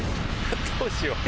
どうしよう。